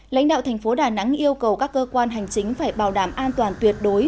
lãnh đạo thành phố đà nẵng yêu cầu các cơ quan hành chính phải bảo đảm an toàn tuyệt đối